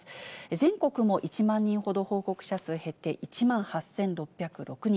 全国も１万人ほど報告者数減って、１万８６０６人。